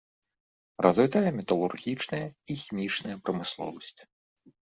Развітая металургічная і хімічная прамысловасць.